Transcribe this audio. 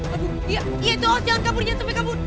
aduh iya iya toh jangan kabur jangan sampai kabur